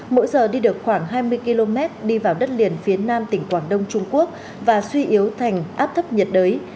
mỗi giờ đi được khoảng hai mươi km đi vào đất liền phía nam tỉnh quảng đông trung quốc và suy yếu thành áp thấp nhiệt đới